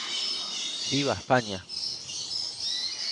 ¡Viva España!